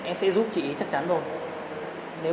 mày nói lừa tao đúng không